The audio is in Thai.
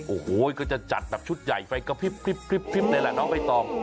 โอ้โหก็จะจัดแบบชุดใหญ่ไฟกระพริบเลยแหละน้องใบตอง